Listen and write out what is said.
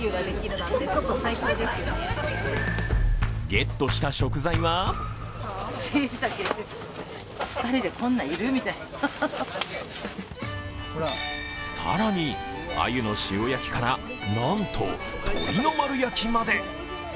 ゲットした食材は更にアユの塩焼きから、なんと鶏の丸焼きまで。